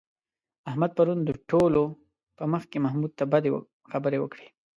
احمد پرون د ټولو په مخ کې محمود ته بدې خبرې وکړې.